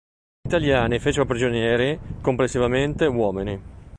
Gli italiani fecero prigionieri, complessivamente, uomini.